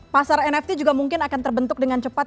karena nft juga mungkin akan terbentuk dengan cepat